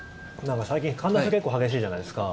最近、寒暖差結構激しいじゃないですか？